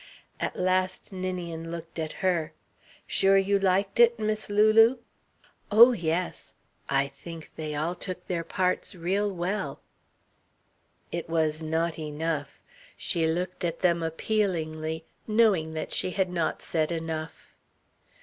At last Ninian looked at her. "Sure you liked it, Miss Lulu?" "Oh, yes! I think they all took their parts real well." It was not enough. She looked at them appealingly, knowing that she had not said enough.